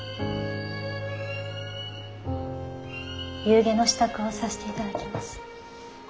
夕餉の支度をさせていただきます。